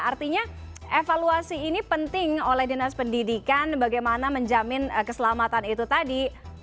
artinya evaluasi ini penting oleh dinas pendidikan bagaimana menjamin keselamatan itu tadi